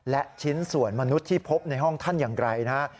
และชิ้นส่วนมนุษย์ที่พบในห้องท่านอย่างไรนะฮะ